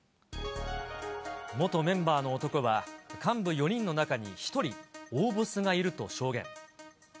元メンバーの男は、幹部４人の中に１人、大ボスがいると証言。